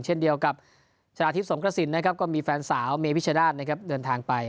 เช่นเดียวกับชาวอาทิตย์สงครสินก็มีแฟนสาวเมธิราชเดินทางไป